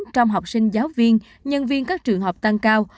trong học sinh giáo viên nhân viên các trường học tăng cao